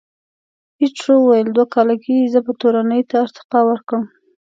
ایټور وویل، دوه کاله کېږي، زه به تورنۍ ته ارتقا وکړم.